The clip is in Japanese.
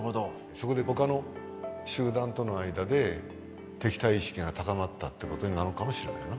そこでほかの集団との間で敵対意識が高まったってことになるかもしれないな。